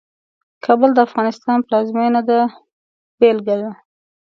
کابل د افغانستان پلازمېنه ده بېلګه ده.